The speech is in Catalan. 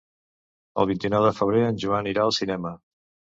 El vint-i-nou de febrer en Joan irà al cinema.